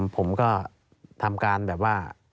ผมก็ทำการแบบว่า